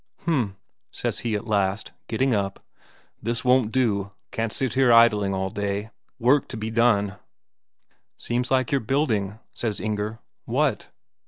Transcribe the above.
"H'm," says he at last, getting up. "This won't do. Can't sit here idling today. Work to be done." "Seems like you're building," says Inger. "What?"